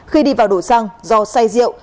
khi đi vào đổ xăng do say rượu